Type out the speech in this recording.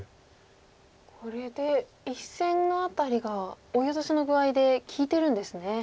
これで１線の辺りがオイオトシの具合で利いてるんですね。